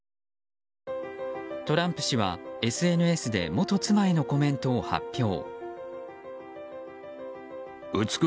トランプ氏は、ＳＮＳで元妻へのコメントを発表。